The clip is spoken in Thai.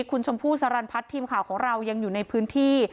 คุณชมพู่สรรพัฒน์ทีมข่าวของเรายังอยู่ในพื้นที่